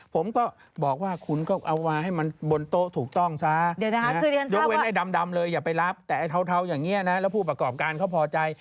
ผมก็บอกว่าคุณก็เอามาให้มันบนโต๊ะถูกต้องซะยกเว้นไอ้ดำเลยอย่าไปรับแต่ไอ้เทาอย่างนี้นะแล้วผู้ประกอบการเขาพอใจ